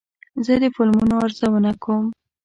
زه د فلمونو ارزونه کوم.